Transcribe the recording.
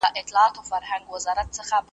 د اجل د ښکاري غشي پر وزر یمه ویشتلی .